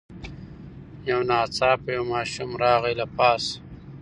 یو ناڅاپه یو ماشوم راغی له پاسه